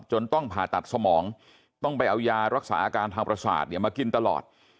ต้องผ่าตัดสมองต้องไปเอายารักษาอาการทางประสาทมากินตลอด